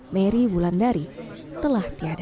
mary wulandari telah tiada